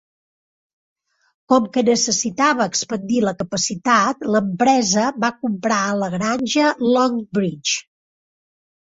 Com que necessitava expandir la capacitat, l'empresa va comprar la granja Longbridge.